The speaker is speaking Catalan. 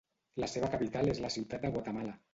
La seva capital és la Ciutat de Guatemala.